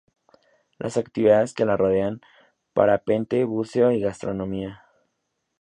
Las actividades que la rodean: parapente, buceo y gastronomía.